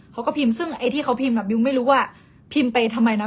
เขาก็พิมพ์ซึ่งไอ้ที่เขาพิมพ์บิวไม่รู้ว่าพิมพ์ไปทำไมนะ